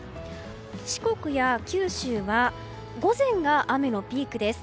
四国や九州は午前が雨のピークです。